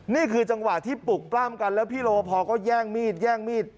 นี่คือจังหวะที่ปลุกปล้ำกันแล้วพี่รอบพอก็แย่งมีดแย่งมีด